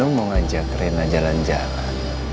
om nino mau ngajak reina jalan jalan